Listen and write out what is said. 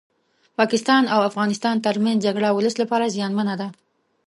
پاکستان او افغانستان ترمنځ جګړه ولس لپاره زيانمنه ده